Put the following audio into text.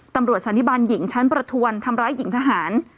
สันนิบันหญิงชั้นประทวนทำร้ายหญิงทหาร